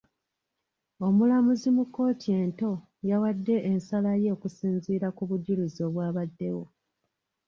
Omulamuzi mu kkooti ento yawadde ensala ye okusinziira ku bujulizi obwabaddewo.